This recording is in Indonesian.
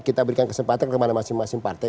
kita berikan kesempatan ke mana masing masing partai